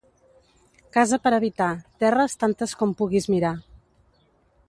Casa per habitar, terres tantes com puguis mirar.